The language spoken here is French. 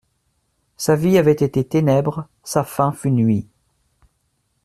Sa vie avait été ténèbres ; sa fin fut nuit.